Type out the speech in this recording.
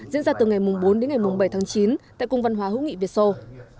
diễn ra từ ngày bốn đến ngày bảy tháng chín tại cung văn hóa hữu nghị việt sô